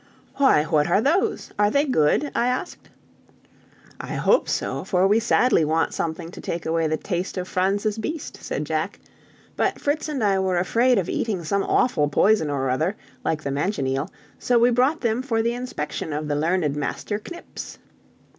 "Why, what are those? Are they good?" I asked. "I hope so, for we sadly want something to take away the taste of Franz's beast," said Jack: "but Fritz and I were afraid of eating some awful poison or other, like the manchineel, so we brought them for the inspection of the learned master Knips."